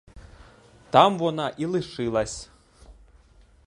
Там вона і лишилась.